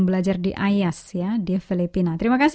ku bawa padamu semua timbaan